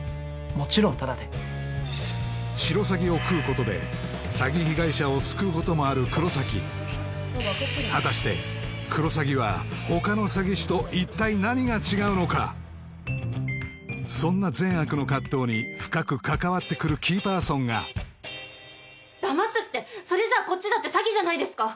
もちろんタダでシロサギを喰うことで詐欺被害者を救うこともある黒崎果たしてクロサギは他の詐欺師と一体何が違うのかそんな善悪の葛藤に深く関わってくるキーパーソンがダマすってそれじゃこっちだって詐欺じゃないですか